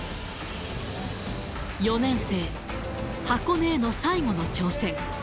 ４年生、箱根への最後の挑戦。